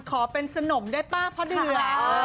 ขอเป็นสนมได้ป่ะพ่อเดือ